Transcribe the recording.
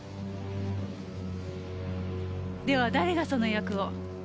では誰がその役を。